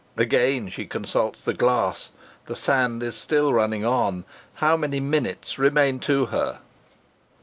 Again she consults the glass. The sand is still running on. How many minutes remain to her?